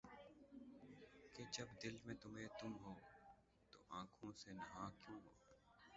کہ جب دل میں تمھیں تم ہو‘ تو آنکھوں سے نہاں کیوں ہو؟